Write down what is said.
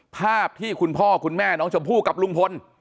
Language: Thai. ภาพที่คุณพ่อคุณแม่น้องชมพู่กับลุงพล